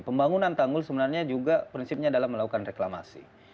pembangunan tanggul sebenarnya juga prinsipnya adalah melakukan reklamasi